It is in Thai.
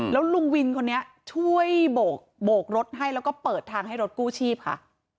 แล้วลุงวินคนนี้ช่วยโบกรถให้แล้วก็เปิดทางให้รถกู้ชีพค่ะ